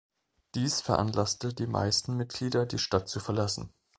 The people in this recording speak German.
Dies veranlasste die meisten Mitglieder, die Stadt zu verlassen.